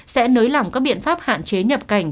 sẽ nới lỏng các biện pháp hạn chế nhập cảnh